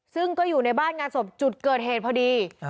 ซึ่งก็อยู่ในบ้านงานศพจุดเกิดเหตุพอดี